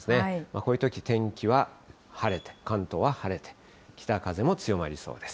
こういうとき、天気は晴れて、関東は晴れて、北風も強まりそうです。